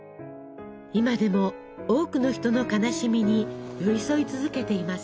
今でも多くの人の悲しみに寄り添い続けています。